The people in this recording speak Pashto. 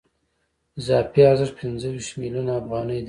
اضافي ارزښت پنځه ویشت میلیونه افغانۍ دی